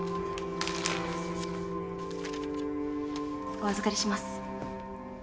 お預かりします。